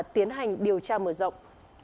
tiến hành điều tra mở rộng